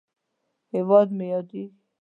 هیواد مې ياديږي